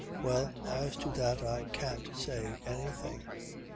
Well, as to that I can't say anything.